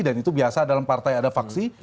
dan itu biasa dalam partai ada vaksi